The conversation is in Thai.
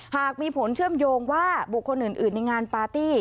หากมีผลเชื่อมโยงว่าบุคคลอื่นในงานปาร์ตี้